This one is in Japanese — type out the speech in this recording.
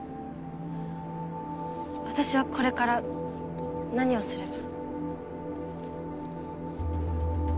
私はこれから何をすれば？